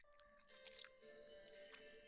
米尔维勒。